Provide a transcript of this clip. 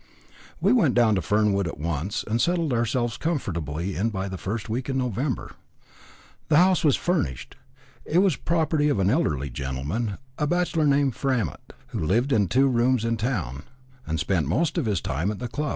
We went down to Fernwood at once, and settled ourselves comfortably in by the first week in November. The house was furnished; it was the property of an elderly gentleman, a bachelor named Framett, who lived in rooms in town, and spent most of his time at the club.